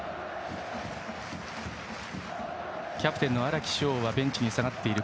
キャプテンの荒木翔はベンチに下がっている。